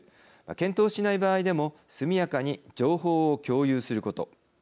検討しない場合でも速やかに情報を共有すること。